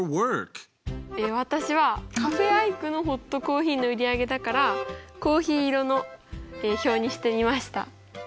私はカフェ・アイクのホットコーヒーの売り上げだからコーヒー色の表にしてみました。